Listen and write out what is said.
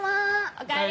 おかえり。